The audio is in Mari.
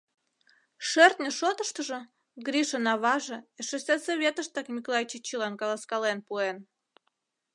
Шӧртньӧ шотыштыжо Гришын аваже эше сельсоветыштак Миклай чӱчӱлан каласкален пуэн.